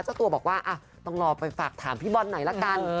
เจ้าตัวบอกว่าต้องรอไปฝากถามพี่บอลหน่อยละกัน